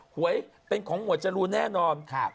หวยเป็นของหมวดจรูนแน่นอน